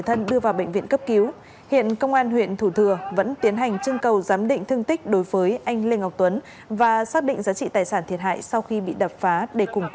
thân đưa vào bệnh viện cấp cứu hiện công an huyện thủ thừa vẫn tiến hành chương cầu giám định thương tích đối với anh lê ngọc tuấn và xác định giá trị tài sản thiệt hại sau khi bị đập phá để củng cố chương cứ xử lý nhóm đối tượng trên